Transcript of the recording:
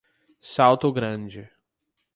Salto Grande